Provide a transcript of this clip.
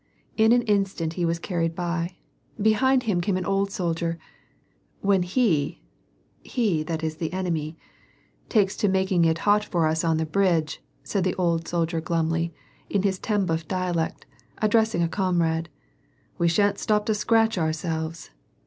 In an instant he was carried by ; behind him came an old soldier :—" When he (hCy that is the enemy) takes to making it liot for us on the bridge," said the old soldier glumly, in his Tambof diiilect, addressing a comrade, " we shan't stop to scratch ourselves."